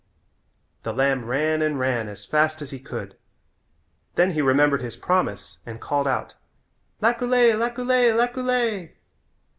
The lamb ran and ran as fast as he could. Then he remembered his promise and called out, "Laculay, laculay, laculay."